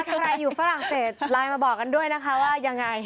ใครอยู่ฝรั่งเศสไลน์มาบอกกันด้วยนะคะว่ายังไง